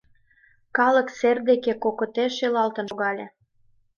Калык сер деке кокыте шелалтын шогале.